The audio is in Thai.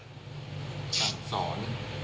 สั่งสอน